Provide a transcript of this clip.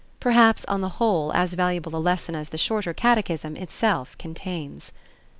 Perhaps on the whole as valuable a lesson as the shorter catechism itself contains.